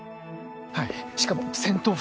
はいしかも戦闘服